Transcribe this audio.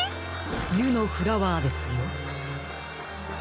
ゆのフラワーですよ。